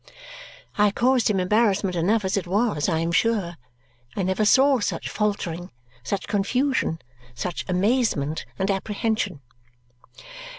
I caused him embarrassment enough as it was, I am sure. I never saw such faltering, such confusion, such amazement and apprehension.